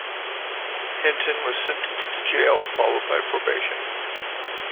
Hinton was sentenced to jail followed by probation.